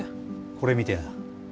これ見てな。